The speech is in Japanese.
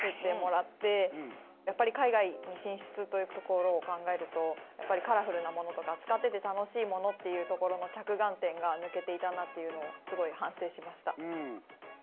やっぱり海外に進出というところを考えるとやっぱりカラフルなものとか使ってて楽しいものっていうところの着眼点が抜けていたなっていうのをすごい反省しました。